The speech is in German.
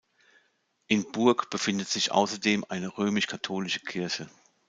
In Burg befindet sich außerdem eine römisch-katholische Kirche.